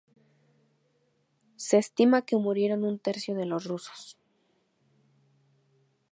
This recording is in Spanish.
Se estima que murieron un tercio de los rusos.